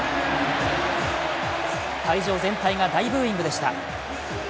会場全体が大ブーイングでした。